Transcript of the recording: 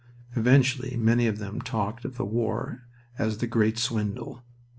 Habitually many of them talked of the war as the "Great Swindle."